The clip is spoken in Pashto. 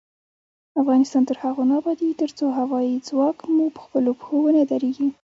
افغانستان تر هغو نه ابادیږي، ترڅو هوايي ځواک مو پخپلو پښو ونه دریږي.